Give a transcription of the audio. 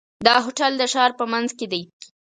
دا هوټل د ښار په منځ کې دی.